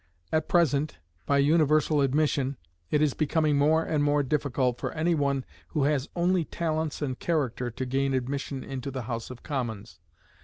At present, by universal admission, it is becoming more and more difficult for any one who has only talents and character to gain admission into the House of Commons.